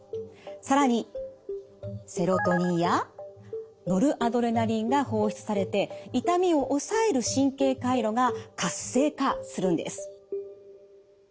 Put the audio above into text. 更にセロトニンやノルアドレナリンが放出されて痛みを抑える神経回路が活性化するんです。